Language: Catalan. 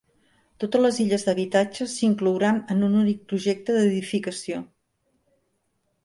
Totes les illes d'habitatges s'inclouran en un únic projecte d'edificació.